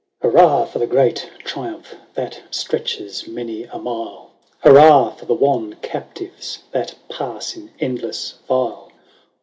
Hurrah ! for the great triumph That stretches many a mile. Hurrah ! for the wan captives That pass in endless file.